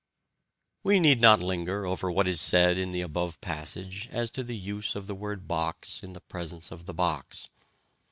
We need not linger over what is said in the above passage as to the use of the word "box" in the presence of the box.